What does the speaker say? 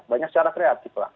banyak secara kreatif lah